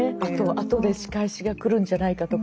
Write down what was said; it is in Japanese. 後で仕返しが来るんじゃないかとか。